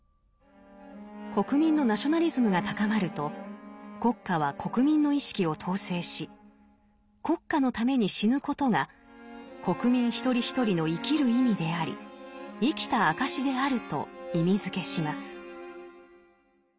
国民のナショナリズムが高まると国家は国民の意識を統制し「国家のために死ぬ」ことが国民一人一人の「生きる意味」であり生きた証しであると意味づけします。